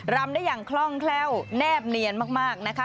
รำได้อย่างคล่องแคล่วแนบเนียนมากนะคะ